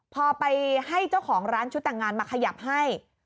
พอไปให้เจ้าของร้านชุดแต่งงานมาขยับให้